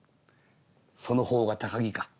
「その方が高木か。